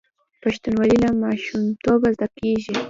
پښتونولي له ماشومتوبه زده کیږي.